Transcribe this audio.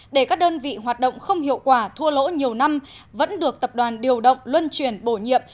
để các đơn vị hoạt động không hiệu quả thua lỗ nhiều năm vẫn được tập đoàn điều động luân truyền bổ nhiệm